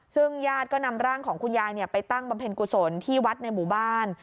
ซึ่งญาติก็นำร่างของคุณยายไปตั้งบำเพ็ญกุศลที่วัดในหมู่บ้าน